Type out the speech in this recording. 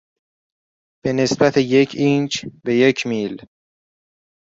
به نسبت یک اینچ به یک میل